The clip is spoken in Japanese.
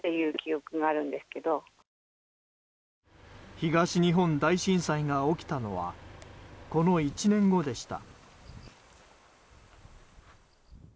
東日本大震災が起きたのはこの１年後でした。